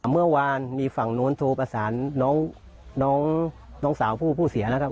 เมื่อวานมีฝั่งโน้นโทรประสานน้องสาวผู้เสียนะครับ